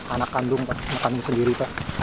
anak kandung makan sendiri pak